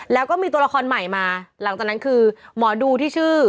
แล้วก็มีตัวละครใหม่มาหลังจากนั้นคือหมอดูที่ชื่อ